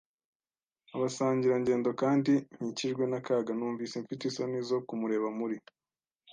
abasangirangendo kandi nkikijwe n'akaga - numvise mfite isoni zo kumureba muri